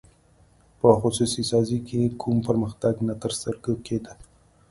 په خصوصي سازۍ کې کوم پرمختګ نه تر سترګو کېده.